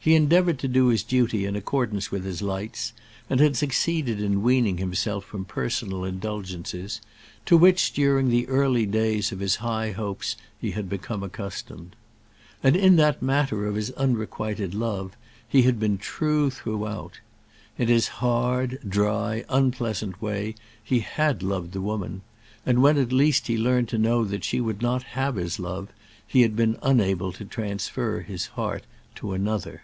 He endeavoured to do his duty in accordance with his lights, and had succeeded in weaning himself from personal indulgences, to which during the early days of his high hopes he had become accustomed. And in that matter of his unrequited love he had been true throughout. In his hard, dry, unpleasant way he had loved the woman; and when at last he learned to know that she would not have his love, he had been unable to transfer his heart to another.